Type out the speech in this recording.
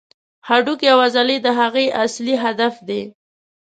هډوکي او عضلې د هغې اصلي هدف دي.